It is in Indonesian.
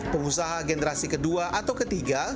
pengusaha generasi kedua atau ketiga